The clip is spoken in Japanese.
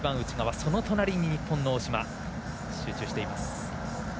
その隣に日本の大島、集中しています。